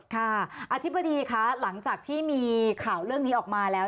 อธิบดีคะหลังจากที่มีข่าวเรื่องนี้ออกมาแล้ว